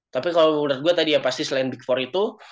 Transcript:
tapi kalau menurut gue tadi ya pasti selain big empat itu